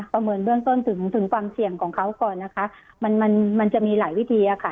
ประเมินเรื่องต้นถึงความเสี่ยงของเขาก่อนนะคะมันจะมีหลายวิธีค่ะ